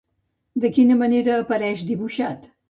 De quina manera apareix dibuixat?